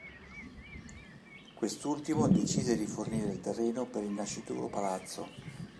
Quest'ultimo decise di fornire il terreno per il nascituro palazzo.